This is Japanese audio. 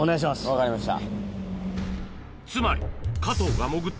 分かりました。